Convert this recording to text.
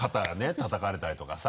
たたかれたりとかさ。